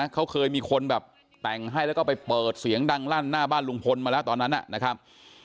เขาเคยมีคนแบบแต่งให้แล้วก็ไปเปิดเสียงดังลั่นหน้าบ้านลุงพลมาแล้วตอนนั้นนะครับ